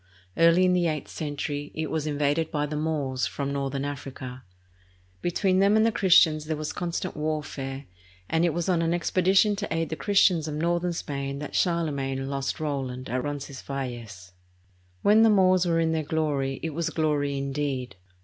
Early in the eighth century, it was in vaded by the Moors from northern Africa. Between them and the Christians there was constant warfare, and it was on an expedition to aid the Christians of northern Spain that Charlemagne lost Roland at Roncesvalles. When the Moors were in their glory, it was glory, indeed.